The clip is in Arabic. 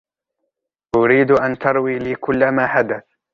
أريد أن تروي لي كلّ ما حدث.